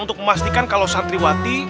untuk memastikan kalau santriwati